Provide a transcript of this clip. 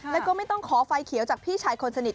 แล้วก็ไม่ต้องขอไฟเขียวจากพี่ชายคนสนิท